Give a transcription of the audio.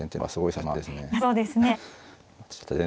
そうですね